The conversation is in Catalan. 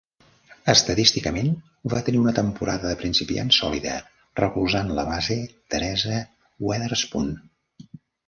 Estadísticament va tenir una temporada de principiant sòlida, recolzant la base Teresa Weatherspoon.